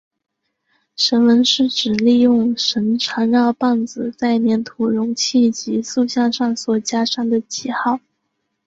绳文是指利用绳缠绕棒子在黏土容器及塑像上所加上的记号。